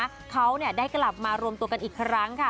ว่าเขาได้กลับมารวมตัวกันอีกครั้งค่ะ